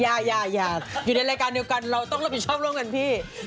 อย่าอยู่ในรายการเดียวกันเราต้องรับผิดชอบร่วมกันพี่